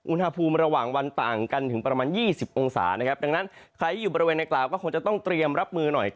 อุณหภูมิระหว่างวันต่างกันถึงประมาณ๒๐องศานะครับดังนั้นใครอยู่บริเวณในกล่าวก็คงจะต้องเตรียมรับมือหน่อย